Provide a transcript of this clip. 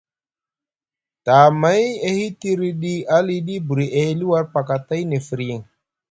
Tamay e hitriɗi aliɗi buri e hili war pakatay nʼe firyiŋ.